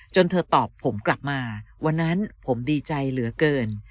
เธอตอบผมกลับมาวันนั้นผมดีใจเหลือเกิน